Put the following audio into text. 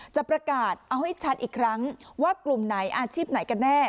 จะประกาศเอาให้ชัดอีกครั้งว่ากลุ่มไหนอาชีพไหนกันแน่